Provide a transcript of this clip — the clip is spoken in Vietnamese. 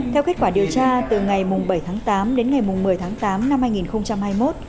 theo kết quả điều tra từ ngày bảy tháng tám đến ngày một mươi tháng tám năm hai nghìn hai mươi một